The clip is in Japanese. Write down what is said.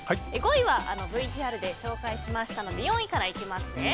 ５位はＶＴＲで紹介しましたので４位から行きます。